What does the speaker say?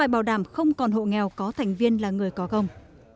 bảo đảm không còn hộ nghèo có thành viên là người có gông